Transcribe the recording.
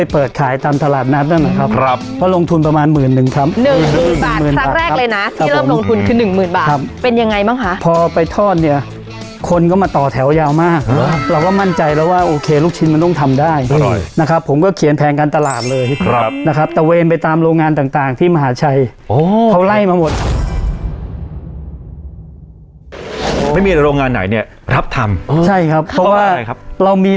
ปัญหาของเราก็คือเกี่ยวกับซิงค์น้ำตัวนี้